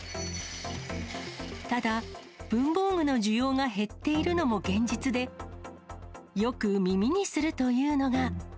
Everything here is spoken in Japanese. ただ、文房具の需要が減っているのも現実で、よく耳にするというのが。